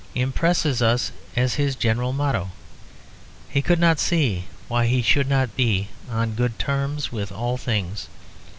impresses us as his general motto. He could not see why he should not be on good terms with all things.